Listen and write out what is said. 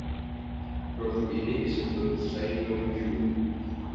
Produk ini disebut "sailonggu".